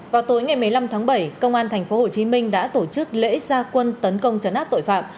vào tối ngày một mươi năm tháng bảy công an tp hcm đã tổ chức lễ gia quân tấn công chấn áp tội phạm